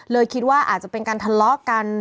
คิดว่าอาจจะเป็นการทะเลาะกัน